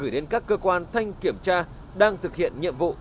gửi đến các cơ quan thanh kiểm tra đang thực hiện nhiệm vụ